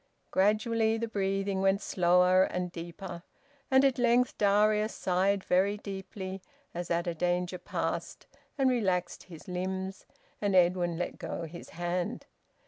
Gradually the breathing went slower and deeper, and at length Darius sighed very deeply as at a danger past, and relaxed his limbs, and Edwin let go his hand.